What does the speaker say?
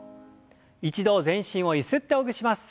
一度全身をゆすってほぐします。